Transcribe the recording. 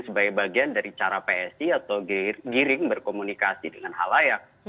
sebagai bagian dari cara psi atau giring berkomunikasi dengan hal layak